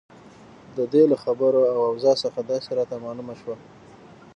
د دې له خبرو او اوضاع څخه داسې راته معلومه شوه.